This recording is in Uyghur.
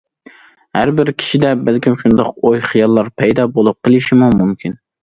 ھەر بىر كىشىدە بەلكىم شۇنداق ئوي- خىياللار پەيدا بولۇپ قېلىشىمۇ مۇمكىن.